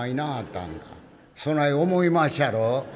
「そない思いまっしゃろ？」。